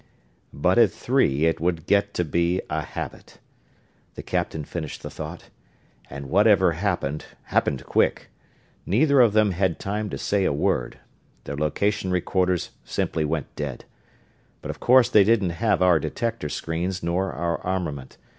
"But at three it would get to be a habit," the captain finished the thought. "And whatever happened, happened quick. Neither of them had time to say a word their location recorders simply went dead. But of course they didn't have our detector screens nor our armament.